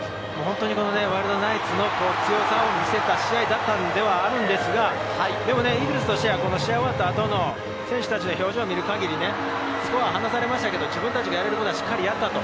ワイルドナイツの強さを見せた試合だったんですけれど、イーグルスとしては試合が終わった後の選手たちの表情を見る限り、スコアは離されましたけれど、自分たちがやれることはやった。